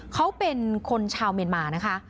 เขาเป็นคนชาวเมียนมานะคะ